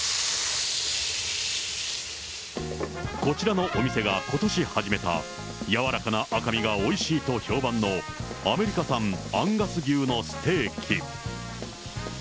こちらのお店がことし始めた柔らかな赤身がおいしいと評判のアメリカ産アンガス牛のステーキ。